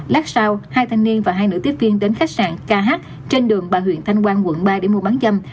lát sao hai thanh niên và hai nữ tiếp viên đến khách sạn kh trên đường bà huyện thanh quang quận ba để mua bán dâm